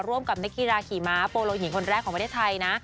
ร่วมกับนักกีฬาขี่ม้าโปโลหญิงคนแรกของประเทศไทยนะ